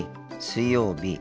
水曜日。